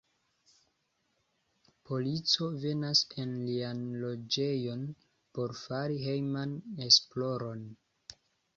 Polico venas en lian loĝejon por fari hejman esploron.